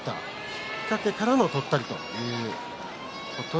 引っ掛けからのとったりです。